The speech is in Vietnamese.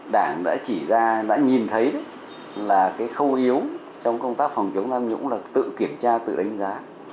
đảng đã chỉ ra đã nhìn thấy là cái khâu yếu trong công tác phòng chống tham nhũng là tự kiểm tra tự đánh giá